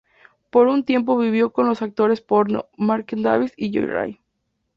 Por un tiempo vivió con los actores porno, Mark Davis y Joey Ray.